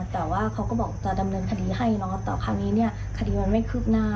แต่ว่าเขาก็บอกจะดำเนินคดีให้เนอะแต่คราวนี้เนี่ยคดีมันไม่คืบหน้า